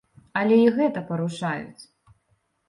Але і гэта парушаюць.